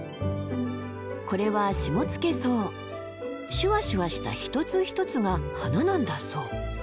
これはシュワシュワした一つ一つが花なんだそう。